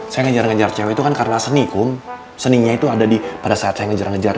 saya jalan jalan cewek itu kan karena seni kum seninya itu ada di pada saat saya ngejar ngejar